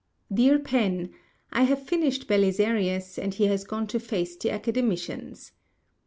DEAR PEN,—I have finished Belisarius, and he has gone to face the Academicians.